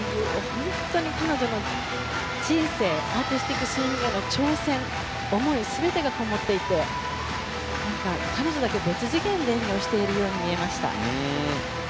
本当に彼女の人生アーティスティックスイミングへの挑戦、思い全てがこもっていて彼女だけ別次元で演技をしているように見えました。